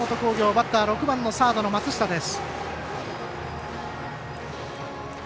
バッター６番のサードの松下です。